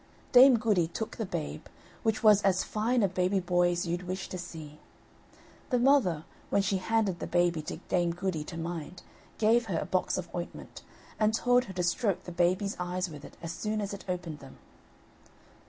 Dame Goody took the babe, which was as fine a baby boy as you'd wish to see. The mother, when she handed the baby to Dame Goody to mind, gave her a box of ointment, and told her to stroke the baby's eyes with it as soon as it opened them.